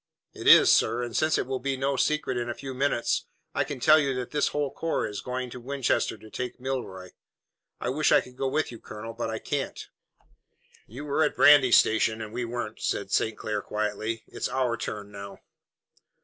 "It is, sir, and since it will be no secret in a few minutes, I can tell you that this whole corps is going to Winchester to take Milroy. I wish I could go with you, Colonel, but I can't." "You were at Brandy Station, and we weren't," said St. Clair quietly. "It's our turn now."